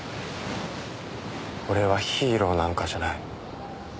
俺はヒーローなんかじゃない。